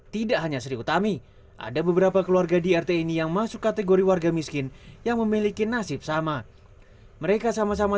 tidak hanya sri utami ada beberapa keluarga di rt ini yang masuk kategori warga miskin yang memiliki nasib sama mereka sama sama